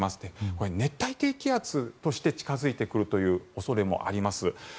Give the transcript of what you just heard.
これ、熱帯低気圧として近付いてくるという恐れもあります。